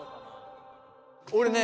俺ね